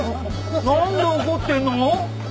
なんで怒ってんの！？